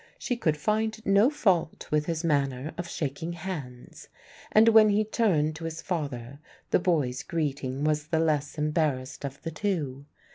She could find no fault with his manner of shaking hands; and when he turned to his father, the boy's greeting was the less embarrassed of the two.